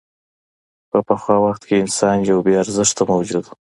په پخوا وخت کې انسان یو بېارزښته موجود و.